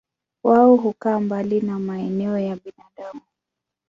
Wao hukaa mbali na maeneo ya binadamu.